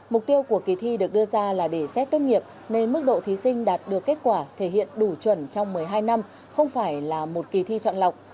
mục tiêu của kỳ thi được đưa ra là để xét tốt nghiệp nên mức độ thí sinh đạt được kết quả thể hiện đủ chuẩn trong một mươi hai năm không phải là một kỳ thi chọn lọc